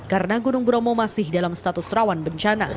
karena gunung bromo masih dalam status rawan bencana